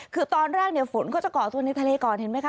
คือตอนแรกเนี่ยฝนเขาจะก่อตัวในทะเลก่อนเห็นไหมคะ